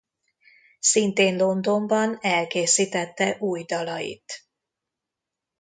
Szintén Londonban elkészítette új dalait.